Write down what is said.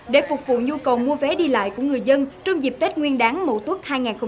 để phục vụ nhu cầu mua vé đi lại của người dân trong dịp tết nguyên đáng mậu tuất hai nghìn hai mươi bốn